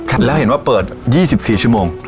แล้วเห็นว่าเปิด๒๔ชั่วโมง